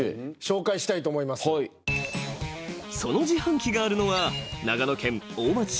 ［その自販機があるのは長野県大町市］